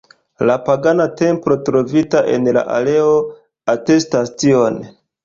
La pagana templo trovita en la areo atestas tion.